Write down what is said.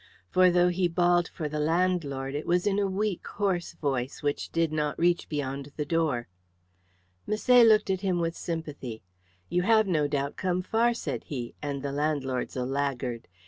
For though he bawled for the landlord it was in a weak, hoarse voice, which did not reach beyond the door. Misset looked at him with sympathy. "You have no doubt come far," said he; "and the landlord's a laggard.